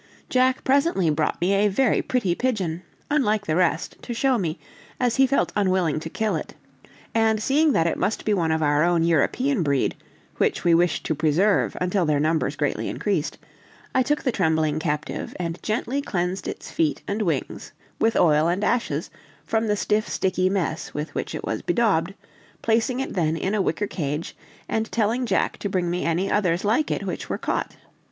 Jack presently brought a very pretty pigeon, unlike the rest, to show me, as he felt unwilling to kill it; and seeing that it must be one of our own European breed, which we wished to preserve until their numbers greatly increased, I took the trembling captive, and gently cleansed its feet and wings with oil and ashes from the stiff, sticky mess with which it was bedaubed, placing it then in a wicker cage, and telling Jack to bring me any others like it which were caught.